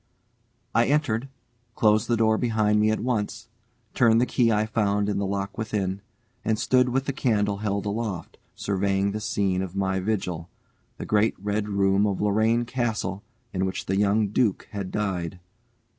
I entered, closed the door behind me at once, turned the key I found in the lock within, and stood with the candle held aloft, surveying the scene of my vigil, the great red room of Lorraine Castle, in which the young duke had died.